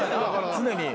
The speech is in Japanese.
常に。